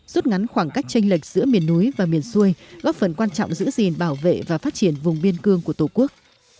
rút ngắn khoảng cách tranh lệch giữa miền núi và miền xuôi góp phần quan trọng giữ gìn bảo vệ và phát triển vùng biên cương của tổ quốc